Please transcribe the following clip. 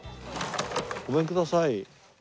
ごめんください。